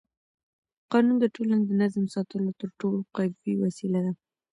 قانون د ټولنې د نظم ساتلو تر ټولو قوي وسیله ده